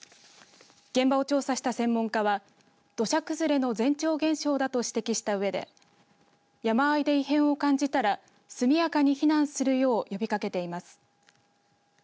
現場を調査した専門家は土砂崩れの前兆現象だと指摘したうえで山あいで異変を感じたら速やかに避難するよう呼びかけています。